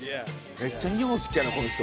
「めっちゃ日本好きやねこの人」